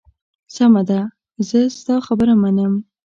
سمه ده، زه ستا خبره منم.